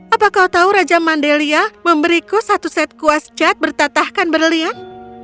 apa kau tahu raja mandelia memberiku satu set kuas cat bertatahkan berlian